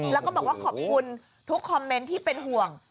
แล้วก็บอกว่าขอบคุณทุกคอมเมนต์ที่เป็นห่วง